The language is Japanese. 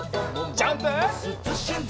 ジャンプ！